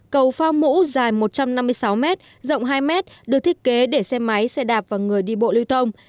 cầu phong mũ dài một trăm năm mươi sáu m rộng hai m được thiết kế để xe máy xe đạp và người đi bộ lưu thông